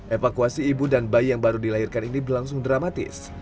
evakuasi ibu dan bayi yang baru dilahirkan ini berlangsung dramatis